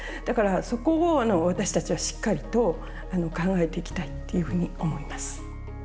だからそこを私たちはしっかりと考えていきたいっていうふうに思います。